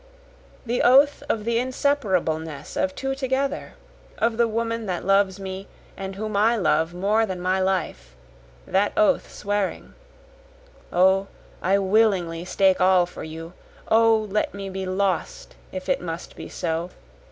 The oath of the inseparableness of two together, of the woman that loves me and whom I love more than my life, that oath swearing, (O I willingly stake all for you, O let me be lost if it must be so!